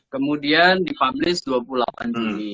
kemudian di publish dua puluh delapan juni